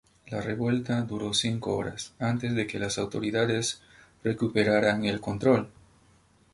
La revuelta duró cinco horas antes de que las autoridades recuperaran el control.